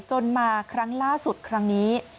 มาครั้งล่าสุดครั้งนี้